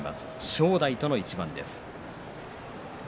正代との一番です。